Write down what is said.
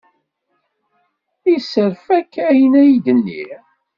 Yesserfa-k ayen ay d-nniɣ?